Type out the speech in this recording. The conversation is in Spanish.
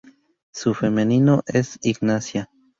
Su femenino es Ignacia.